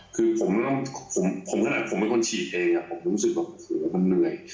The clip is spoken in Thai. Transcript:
คือผมต้องผมขนาดผมเป็นคนฉีดเองอ่ะผมรู้สึกว่าโหมันเหนื่อย